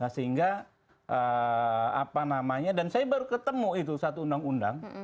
sehingga apa namanya dan saya baru ketemu itu satu undang undang